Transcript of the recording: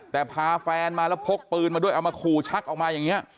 แต่พาแฟนมาแล้วพกปืนมาด้วยเอามาขู่ชักออกมาอย่างนี้